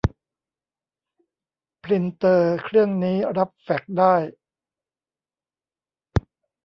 ปรินเตอร์เครื่องนี้รับแฟกซ์ได้